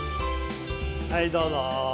はいどうぞ。